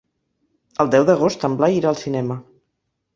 El deu d'agost en Blai irà al cinema.